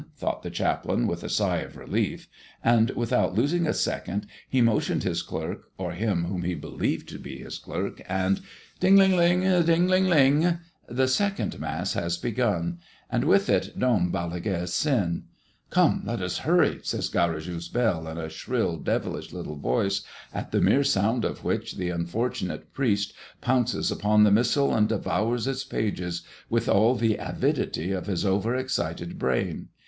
thought the chaplain, with a sigh of relief; and without losing a second, he motioned his clerk, or him whom he believed to be his clerk, and Ding, ling, ling! Ding, ling, ling! The second Mass has begun and with it Dom Balaguère's sin. "Come, let us hurry!" says Garrigou's bell, in a shrill, devilish little voice, at the mere sound of which the unfortunate priest pounces upon the missal and devours its pages with all the avidity of his over excited brain.